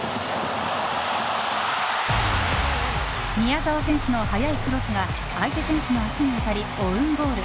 宮澤選手の速いクロスが相手選手の足に当たりオウンゴール。